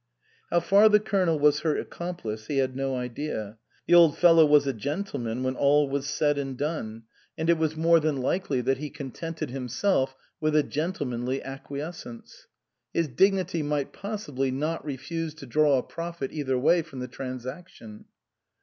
How far the Colonel was her accomplice he had no idea. The old fellow was a gentleman when all was said and done, and it was more 95 THE COSMOPOLITAN than likely that he contented himself with a gentlemanly acquiescence. His dignity might possibly not refuse to draw a profit either way from the transaction.